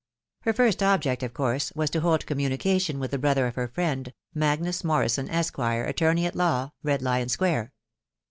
Her first object, of course, was to hold communication with the brother of her friend, " Magnus Morrison, Esq., attorney at law, Red Lion Square."